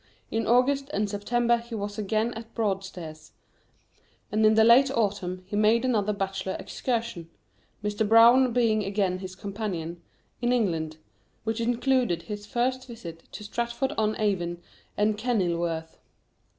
In August and September he was again at Broadstairs; and in the late autumn he made another bachelor excursion Mr. Browne being again his companion in England, which included his first visit to Stratford on Avon and Kenilworth.